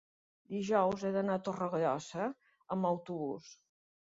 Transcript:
dijous he d'anar a Torregrossa amb autobús.